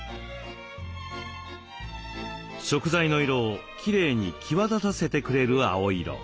食材の色をきれいに際立たせてくれる青色。